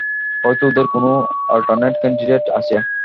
হয়তো ওদের কোনো অল্টারনেট ক্যান্ডিডেট আছে।